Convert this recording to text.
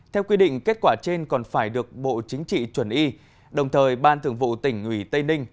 theo quy định kết quả trên còn phải được bộ chính trị chuẩn y đồng thời ban thường vụ tỉnh ủy tây ninh